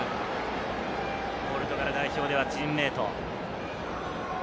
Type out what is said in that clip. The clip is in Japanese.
ポルトガル代表ではチームメート。